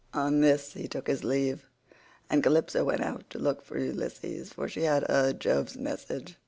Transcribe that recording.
On this he took his leave, and Calypso went out to look for Ulysses, for she had heard Jove's message.